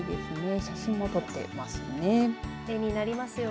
写真も撮っていますね。